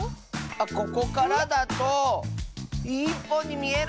⁉あっここからだと１ぽんにみえる！